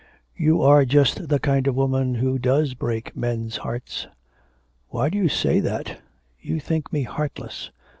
'You are just the kind of woman who does break men's hearts.' 'Why do you say that? You think me heartless.'